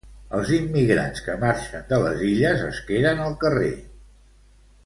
Els immigrants que marxen de les Illes es queden al carrer.